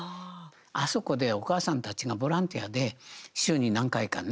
あそこでお母さんたちがボランティアで週に何回かね